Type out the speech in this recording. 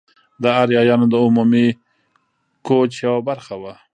د آریایانو د عمومي کوچ یوه برخه وه.